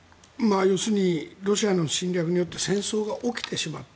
要するにロシアの侵略によって戦争が起きてしまった。